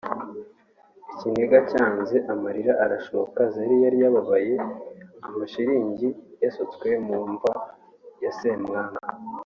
Ikiniga cyanze amarira arashoka Zari yari ababaye amashiringi yasutswe mu mva ya Ssemwanga